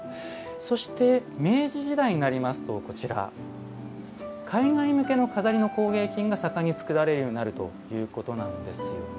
そして明治時代になりますとこちら海外向けの錺の工芸品が盛んに作られるようになるということなんですよね。